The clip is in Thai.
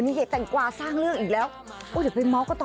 มีเหตุแตงกวาสร้างเรื่องอีกแล้วเดี๋ยวไปเมาส์ก็ต่อ